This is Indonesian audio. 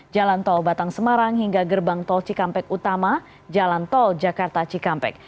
jalan tol batang semarang hingga gerbang tol cikampek utama jalan tol jakarta cikampek